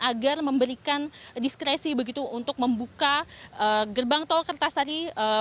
agar memberikan diskresi begitu untuk membuka gerbang tol kertasari